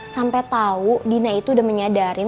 sampai tau dina itu udah menyadari